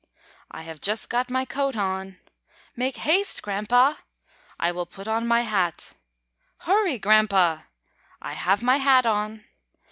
"I have just got my coat on." "Make haste, Grandpa!" "I will put on my hat." "Hurry, Grandpa!" "I have my hat on."